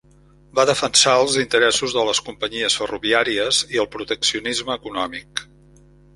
Va defensar els interessos de les companyies ferroviàries i el proteccionisme econòmic.